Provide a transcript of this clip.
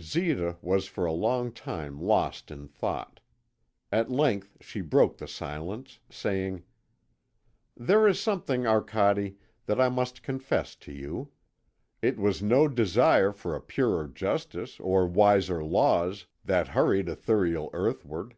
Zita was for a long time lost in thought. At length she broke silence, saying: "There is something, Arcade, that I must confess to you. It was no desire for a purer justice or wiser laws that hurried Ithuriel earthward.